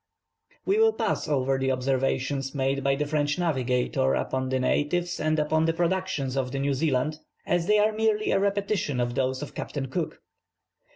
We will pass over the observations made by the French navigator upon the natives, and the productions of New Zealand, as they are merely a repetition of those of Captain Cook.